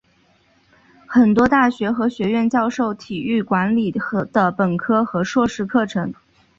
很多大学和学院教授体育管理的本科和硕士课程。